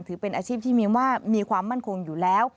ถือเป็นอาชีพที่มีว่ามีความมั่นคงอยู่แล้ว